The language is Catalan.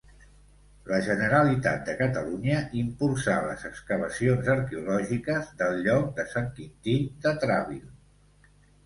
La Generalitat de Catalunya impulsà les excavacions arqueològiques del lloc de Sant Quintí de Travil.